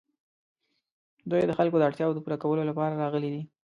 دوی د خلکو د اړتیاوو د پوره کولو لپاره راغلي دي.